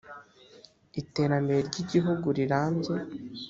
iterambere ry igihugu rirambye